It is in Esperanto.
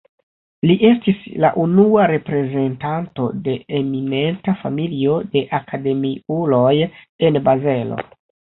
Li estis la unua reprezentanto de eminenta familio de akademiuloj en Bazelo.